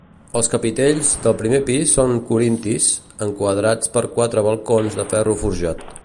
Els capitells del primer pis són corintis, enquadrats per quatre balcons de ferro forjat.